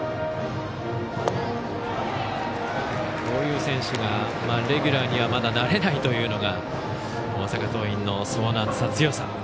こういう選手がレギュラーにはまだなれないというのが大阪桐蔭の層の厚さ、強さ。